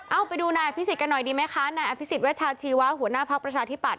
เอาไปดูนายอภิษฎกันหน่อยดีไหมคะนายอภิษฎเวชาชีวะหัวหน้าภักดิ์ประชาธิปัต